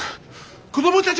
子供たち